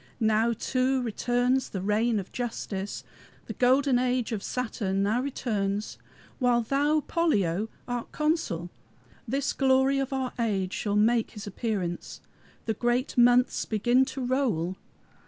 Now, too, returns the reign of Justice. The golden age of Saturn now returns. While thou, Pollio, art consul, This glory of our age shall make his appearance. The great months begin to roll.